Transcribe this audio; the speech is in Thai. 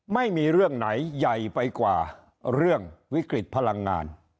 ไม่มีเรื่องไหนใหญ่ไปกว่าเรื่องวิกฤตพลังงาน